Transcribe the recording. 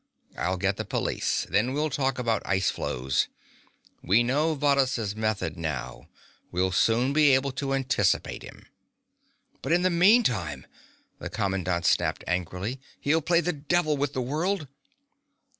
I'll get the police. Then we'll talk about ice floes. We know Varrhus' method now. We'll soon be able to anticipate him." "But in the meantime," the commandant snapped angrily, "he'll play the devil with the world."